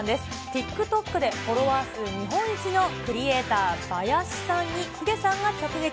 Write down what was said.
ＴｉｋＴｏｋでフォロワー数日本一のクリエーター、バヤシさんにヒデさんが直撃。